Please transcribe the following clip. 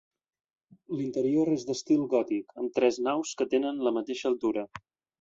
L'interior és d'estil gòtic, amb tres naus que tenen la mateixa altura.